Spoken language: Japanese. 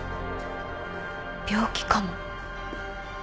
病気かも。